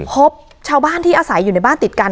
พบชาวบ้านที่อาศัยอยู่ในบ้านติดกัน